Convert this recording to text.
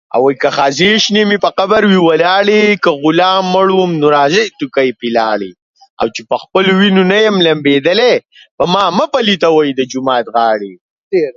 He later played several roles in the hit Broadway musical Something Rotten!